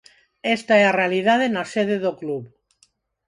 Esta é a realidade na sede do club.